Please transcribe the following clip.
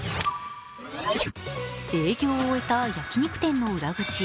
営業を終えた焼き肉店の裏口。